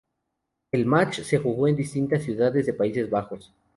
El match se jugó en distintas ciudades de Países Bajos.